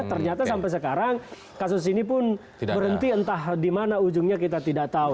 ternyata sampai sekarang kasus ini pun berhenti entah di mana ujungnya kita tidak tahu